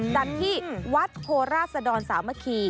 ดังที่วัดโฮราสดรสามะคี